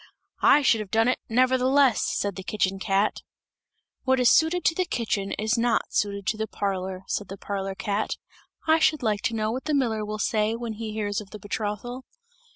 "I should have done it, nevertheless!" said the kitchen cat. "What is suited to the kitchen is not suited to the parlour," said the parlour cat. "I should like to know what the miller will say, when he hears of the betrothal!"